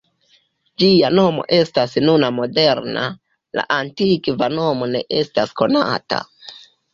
Ĝia nomo estas nuna moderna, la antikva nomo ne estas konata.